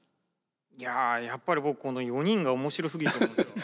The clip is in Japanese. いややっぱり僕この４人が面白すぎると思いますよ。